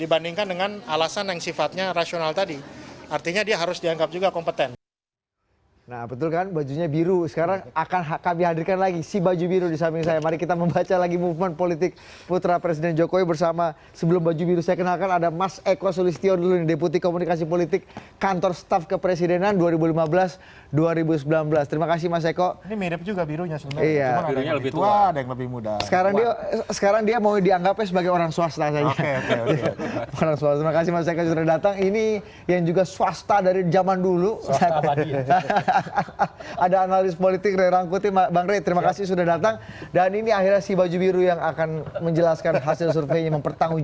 akhirnya si baju biru yang akan menjelaskan hasil surveinya mempertanggungjawabkan hasil surveinya